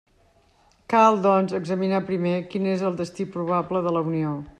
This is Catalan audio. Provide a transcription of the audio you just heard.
Cal, doncs, examinar primer quin és el destí probable de la Unió.